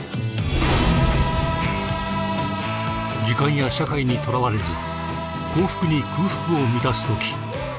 時間や社会にとらわれず幸福に空腹を満たすとき